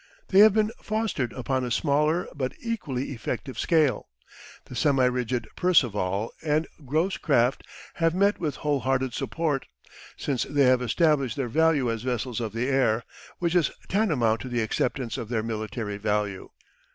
They have been fostered upon a smaller but equally effective scale. The semi rigid Parseval and Gross craft have met with whole hearted support, since they have established their value as vessels of the air, which is tantamount to the acceptance of their military value.